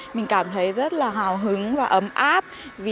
mình cảm thấy rất là hào hứng và ấm áp